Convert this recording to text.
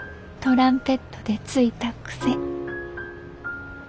トランペットでついた癖。